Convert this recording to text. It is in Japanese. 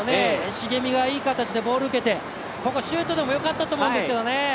重見がいい形でボールを受けてここシュートでもよかったと思うんですけどね。